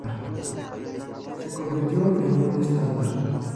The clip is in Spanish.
Se convirtió en un estándar.